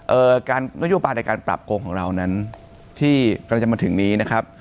การนโยบายในการปรับโกงของเรานั้นที่กำลังจะมาถึงนี้นะครับ